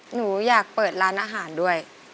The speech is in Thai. หนูอยากเปิดร้านอาหารด้วย